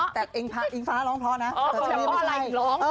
แต่เองฟ้าร้องเบาหนัง